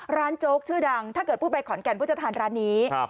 โจ๊กชื่อดังถ้าเกิดพูดไปขอนแก่นผู้จะทานร้านนี้